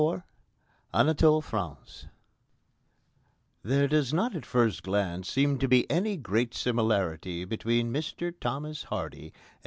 XXIV ANATOLE FRANCE There does not at first glance seem to be any great similarity between Mr Thomas Hardy and M.